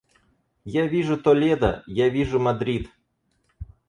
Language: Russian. Я вижу Толедо, я вижу Мадрид.